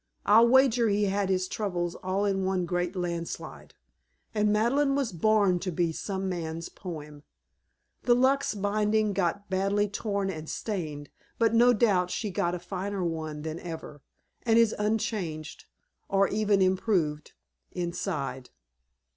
I'll wager he's had his troubles all in one great landslide. And Madeleine was born to be some man's poem. The luxe binding got badly torn and stained, but no doubt she's got a finer one than ever, and is unchanged or even improved inside."